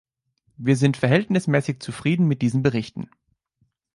Wir sind verhältnismäßig zufrieden mit diesen Berichten.